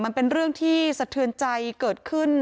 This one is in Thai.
มันเป็นเรื่องที่สะเทือนใจเกิดขึ้น